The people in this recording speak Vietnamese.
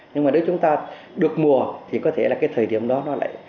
nhưng mà nếu chúng ta được mùa thì có thể là cái thời điểm đó nó lại